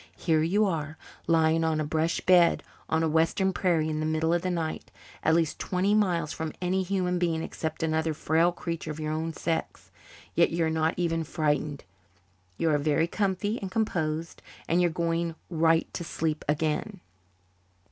"Here you are, lying on a brush bed on a western prairie in the middle of the night, at least twenty miles from any human being except another frail creature of your own sex. Yet you're not even frightened. You are very comfy and composed, and you're going right to sleep again."